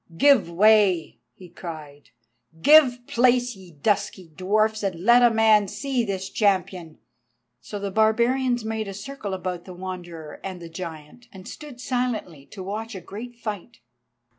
"Give way!" he cried. "Give place, ye dusky dwarfs, and let a man see this champion!" So the barbarians made a circle about the Wanderer and the giant, and stood silently to watch a great fight.